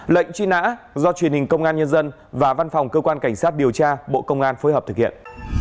lệnh truy nã do truyền hình công an nhân dân và văn phòng cơ quan cảnh sát điều tra bộ công an phối hợp thực hiện